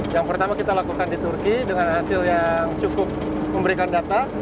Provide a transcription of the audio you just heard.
yang pertama kita lakukan di turki dengan hasil yang cukup memberikan data